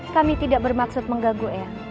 kami tidak bermaksud menggaguh ya